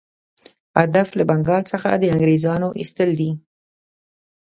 هدف له بنګال څخه د انګرېزانو ایستل دي.